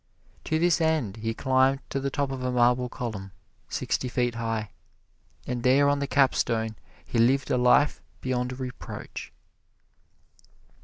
To this end he climbed to the top of a marble column, sixty feet high, and there on the capstone he lived a life beyond reproach.